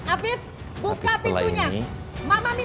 afif buka pintunya